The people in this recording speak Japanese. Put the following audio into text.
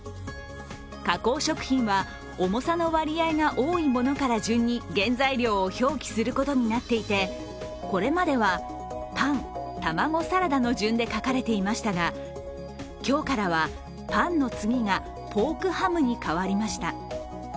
加工食品は重さの割合が多いものから順に原材料を表記することになっていてこれまでは、パン、玉子サラダの順で書かれていましたが今日からはパンの次がポークハムに変わりました。